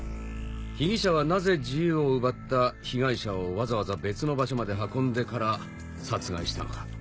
被疑者はなぜ自由を奪った被害者をわざわざ別の場所まで運んでから殺害したのか。